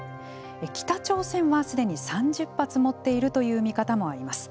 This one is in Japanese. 北朝鮮はすでに３０発持っているという見方もあります。